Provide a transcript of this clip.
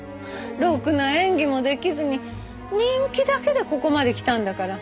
ろくな演技も出来ずに人気だけでここまで来たんだから。